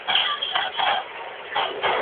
ټیکنالوژۍ د خلګو ژوند اسانه کړی و.